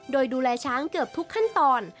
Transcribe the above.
โดยดูแลช้างเกือบทุกขั้นตอน